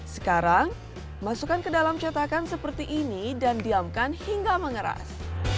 sekarang masukkan ke dalam cetakan seperti ini dan diamkan hingga mengeras